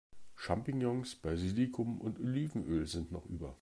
Champignons, Basilikum und Olivenöl sind noch über.